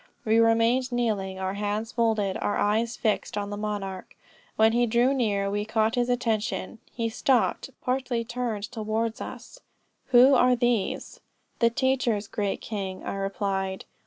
We remained kneeling, our hands folded, our eyes fixed on the Monarch. When he drew near, we caught his attention. He stopped, partly turned towards us 'Who are these?' 'The teachers, great King,' I replied.